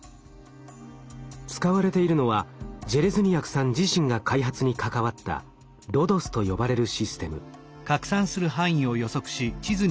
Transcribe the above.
使われているのはジェレズニヤクさん自身が開発に関わった「ＲＯＤＯＳ」と呼ばれるシステム。